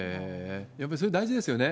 やっぱりそれ、大事ですよね。